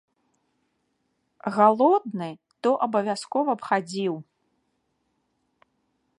Галодны то абавязкова б хадзіў.